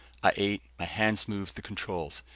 I ate; my hands moved the controls.